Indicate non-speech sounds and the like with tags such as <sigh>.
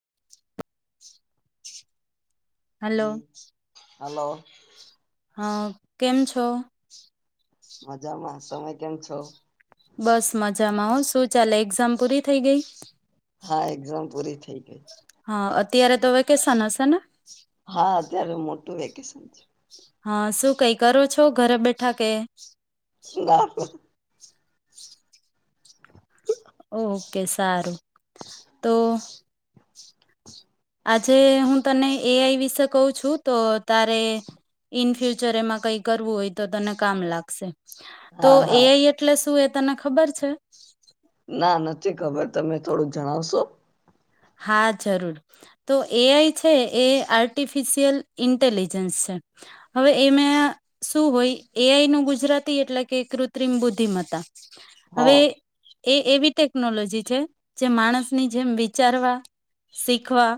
<inaudible> hello hello હા કેમ છો મજામાં તમે કેમ છો બસ મજામાં હો શું ચાલે એક્ઝામ પૂરી થઈ ગઈ હા એક્ઝામ પૂરી <inaudible> હા અત્યારે તો વેકેશન હશે ને હા ્યારે મોટું વેકેશન છે હા શું કઈ કરો છો ઘરે બેઠા કે ગા ઓકે સારું તો આજે હું તને એ આઈ વિશે કઉ છું તો તારે ઇન ફ્યુચર એમાં કઈ કરવું હોય તો તને કામ લાગશે તો હા એ હા એટલે શું તને ખબર છે ના નથી ખબર તમે થોડુંક જણાવશો હા જરૂર તો એઆઈ છે એ આર્ટિફિશિયલ ઇન્ટેલિજન્સ છે હવે એમાં શું હોય એઆઈ નું ગુજરાતી એટલે કે કૃત્રિમ બુદ્ધિમત્તા હવે હા એ એવી ટેકનોલોજી છે જે માણસની જેમ વિચારવા શીખવા